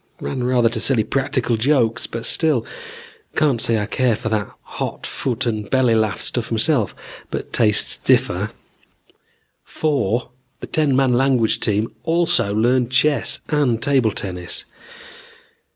Ran rather to silly practical jokes, but still. Can't say I care for that hot foot and belly laugh stuff myself, but tastes differ. "Four, the ten man language team also learned chess and table tennis.